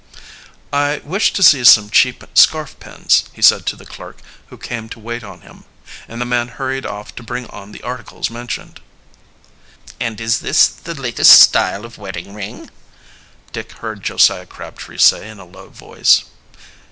"I wish to see some cheap scarf pins," he said to the clerk who came to wait on him, and the man hurried off to bring on the articles mentioned. "And is this the latest style of wedding ring?" Dick heard Josiah Crabtree say in a low voice.